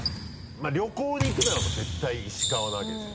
まぁ旅行で行くなら絶対石川なわけですよ。